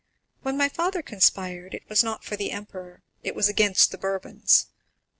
When my father conspired, it was not for the emperor, it was against the Bourbons; for M.